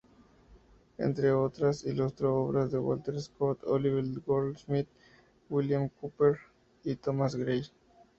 Entre otras, ilustró obras de Walter Scott, Oliver Goldsmith, William Cowper y Thomas Gray.